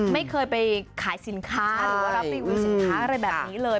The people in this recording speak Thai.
ไม่เคยไปขายสินค้าหรือว่ารับรีวิวสินค้าอะไรแบบนี้เลย